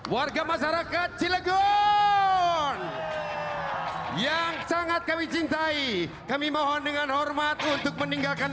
warga masyarakat cilegon yang sangat kami cintai kami mohon dengan hormat untuk meninggalkan